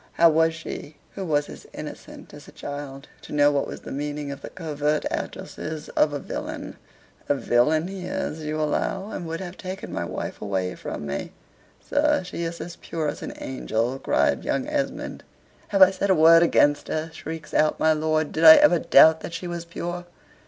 How was she, who was as innocent as a child, to know what was the meaning of the covert addresses of a villain?" "A villain he is, you allow, and would have taken my wife away from me." "Sir, she is as pure as an angel," cried young Esmond. "Have I said a word against her?" shrieks out my lord. "Did I ever doubt that she was pure?